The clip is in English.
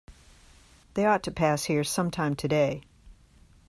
They ought to pass here some time today.